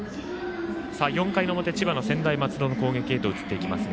４回の表、千葉の専大松戸の攻撃へと移っていきます。